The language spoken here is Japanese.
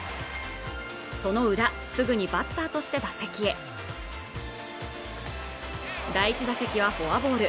そのウラすぐにバッターとして打席へ第１打席はフォアボール